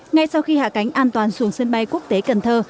ngay sau khi hạ cánh an toàn xuống sân bay quốc tế cần thơ